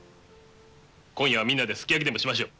今夜はみんなですき焼きでもしましょう。